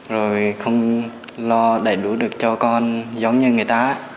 rồi không lo đầy đủ được cho con giống như người ta